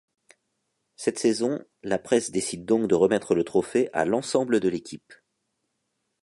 Cette saison, la presse décide donc de remettre le trophée à l'ensemble de l'équipe.